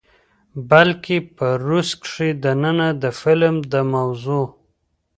بلکې په روس کښې دننه د فلم د موضوع،